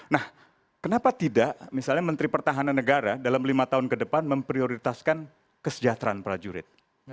nah kenapa tidak misalnya menteri pertahanan negara dalam lima tahun ke depan memprioritaskan kesejahteraan prajurit